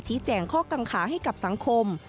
แจ้งข้อกังขาให้กับสังคม